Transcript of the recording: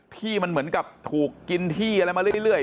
ที่มันเหมือนกับถูกกินที่อะไรมาเรื่อย